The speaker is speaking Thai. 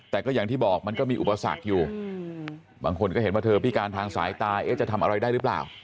แต่ก็อย่างที่บอกมันก็มีอุปสรรคอยู่บางคนก็เห็นว่าเธอพิการทางสายตาจะทำอะไรได้หรือเปล่า